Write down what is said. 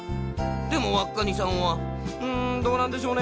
でもわっカニさんは「うんどうなんでしょうね。